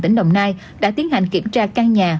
tỉnh đồng nai đã tiến hành kiểm tra căn nhà